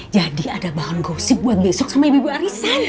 jadi ada bahan gosip buat besok sama ibu arisan